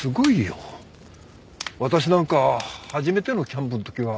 私なんか初めてのキャンプの時は。